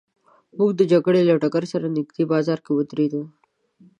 موږ د جګړې له ډګر سره نږدې بازار کې ودرېدو.